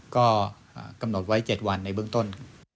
ก็กำหนดไว้๗วันในเบื้องต้น